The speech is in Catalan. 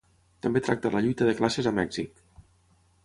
També tracta la lluita de classes a Mèxic.